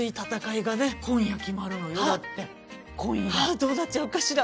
あどうなっちゃうかしら！